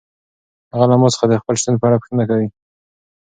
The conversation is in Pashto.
هغه له ما څخه د خپل شتون په اړه پوښتنه کوي.